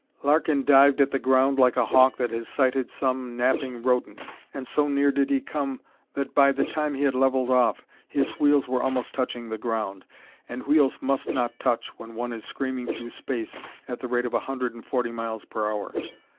Larkin dived at the ground like a hawk that has sighted some napping rodent, and so near did he come that by the time he had leveled off, his wheels were almost touching the ground and wheels must not touch when one is screaming through space at the rate of a hundred and forty miles per hour.